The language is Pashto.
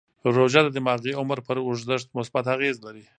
روژه د دماغي عمر پر اوږدښت مثبت اغېز لري.